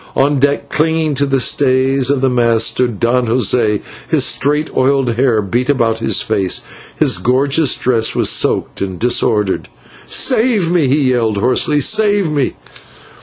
On the deck, clinging to the stays of the mast, stood Don José his straight oiled hair beat about his face, his gorgeous dress was soaked and disordered. "Save me!" he yelled hoarsely, "save me!"